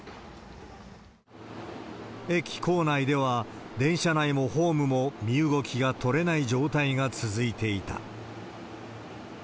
駅構内では、電車内もホームも身動きが取れない状態が続いていた。